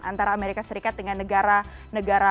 antara amerika serikat dengan negara negara